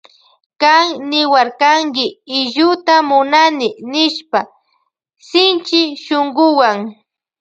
Kan niwarkanki illuta munani nishpa shinchi shunkuwan.